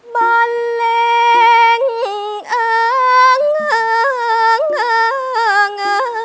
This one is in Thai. บรรเลงเอิงเอิงเอิง